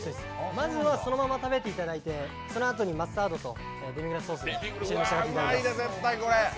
まずはそのまま食べていただいてそのあとにマスタードとデミグラスソースで召し上がっていただきます。